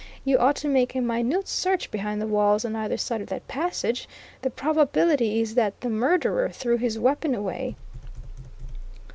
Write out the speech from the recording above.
You ought to make a minute search behind the walls on either side of that passage the probability is that the murderer threw his weapon away."